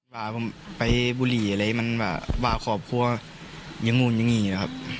บาผมไปบูลลี่อะไรมันแบบบาขอบคู่ว่ายังงูลยังงี่นะครับ